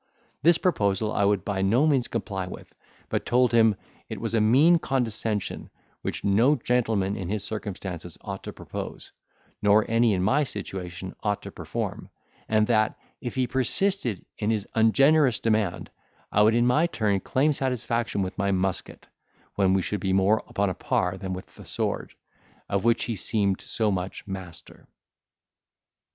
This proposal I would by no means comply with, but told him, it was a mean condescension, which no gentleman in his circumstances ought to propose, nor any in my situation ought to perform; and that, if he persisted in his ungenerous demand, I would in my turn claim satisfaction with my musket, when we should be more upon a par than with the sword, of which he seemed so much master.